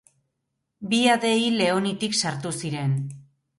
Via dei Leonitik sartu ziren.